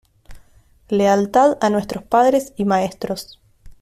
Lealtad a nuestros Padres y Maestros.